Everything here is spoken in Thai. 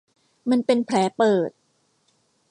มันเป็นแผลเปิด